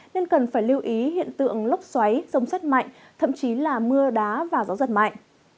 nên cần phải lưu ý hiện tượng lốc xoáy rông sắt mạnh thậm chí là mưa đá và gió giật mạnh